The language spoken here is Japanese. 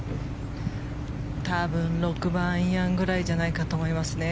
多分６番アイアンくらいじゃないかと思いますね。